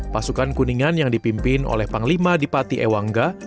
pasukan kuningan yang dipimpin oleh panglima dipati ewangga